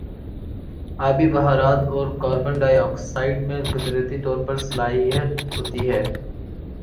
آبی بخارات اور کاربن ڈائی آکسائیڈ میں قدرتی طور پر صلاحیت ہوتی ہے